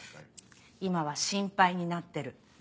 今は心配になってる。